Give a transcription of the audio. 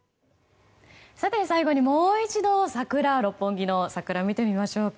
最後にもう一度六本木の桜を見てみましょうか。